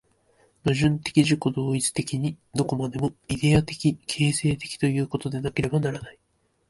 矛盾的自己同一的に、どこまでもイデヤ的形成的ということでなければならない。